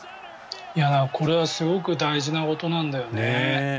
これはすごく大事なことなんだよね。